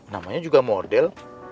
namanya juga model